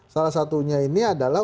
salah satunya ini adalah